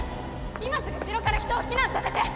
今すぐ城から人を避難させて！